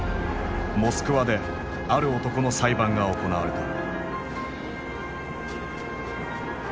モスクワである男の裁判が行われた。